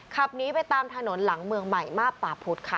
ขับหนีไปตามถนนหลังเมืองใหม่มาบป่าพุธค่ะ